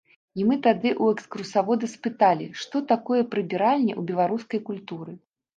І мы тады ў экскурсавода спыталі, што такое прыбіральня ў беларускай культуры.